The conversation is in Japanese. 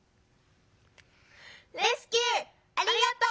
「レスキューありがとう！